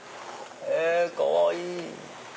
かわいい！